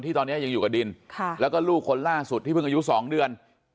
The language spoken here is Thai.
ตอนนี้ยังอยู่กับดินแล้วก็ลูกคนล่าสุดที่เพิ่งอายุ๒เดือน